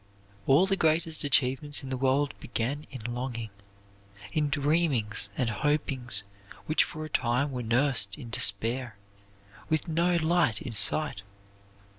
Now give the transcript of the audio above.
All the greatest achievements in the world began in longing in dreamings and hopings which for a time were nursed in despair, with no light in sight.